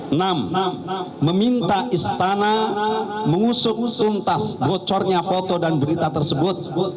enam meminta istana mengusung usung tas bocornya foto dan berita tersebut